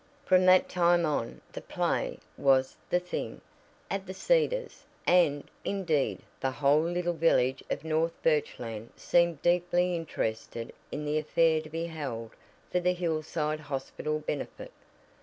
From that time on "the play was the thing" at The Cedars, and, indeed, the whole little village of North Birchland seemed deeply interested in the affair to be held for the Hillside Hospital benefit.